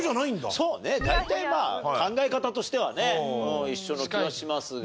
そうね大体まあ考え方としてはね一緒の気はしますが。